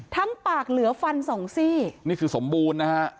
ปากเหลือฟันสองซี่นี่คือสมบูรณ์นะฮะ